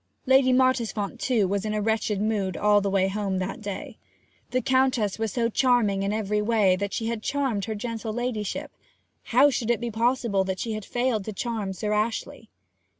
Lady Mottisfont, too, was in a wretched mood all the way home that day. The Countess was so charming in every way that she had charmed her gentle ladyship; how should it be possible that she had failed to charm Sir Ashley?